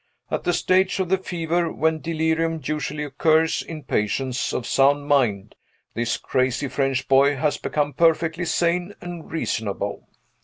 At the stage of the fever when delirium usually occurs in patients of sound mind, this crazy French boy has become perfectly sane and reasonable!"